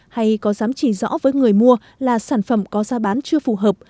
hay có dám chỉ rõ với người mua là sản phẩm có giá bán chưa phù hợp